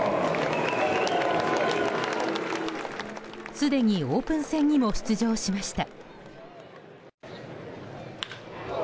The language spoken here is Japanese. すでに、オープン戦にも出場しました。